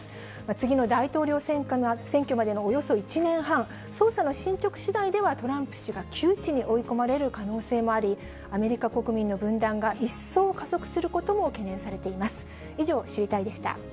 次の大統領選挙までのおよそ１年半、捜査の進捗しだいでは、トランプ氏が窮地に追い込まれる可能性もあり、アメリカ国民の分断が一層加速することも懸念されています。